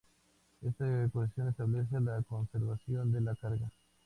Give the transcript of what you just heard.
Esta ecuación establece la conservación de la carga.